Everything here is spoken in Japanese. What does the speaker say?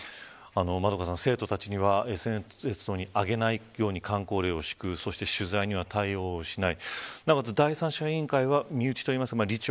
円香さん、生徒たちにはＳＮＳなどに上げないようにかん口令をしてそして取材への対応をしない。